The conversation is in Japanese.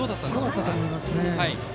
よかったと思いますね。